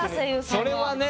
それはね。